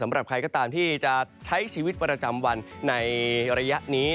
สำหรับใครก็ตามที่จะใช้ชีวิตประจำวันในระยะนี้